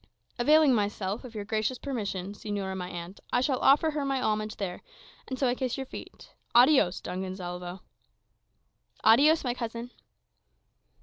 "Availing myself of your gracious permission, señora my aunt, I shall offer her my homage there; and so I kiss your feet Adiõs, Don Gonsalvo." "Adiõs, my cousin."